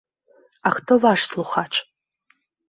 А хто ваш слухач?